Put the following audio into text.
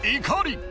「怒り」